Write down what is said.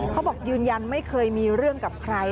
เขาบอกยืนยันไม่เคยมีเรื่องกับใคร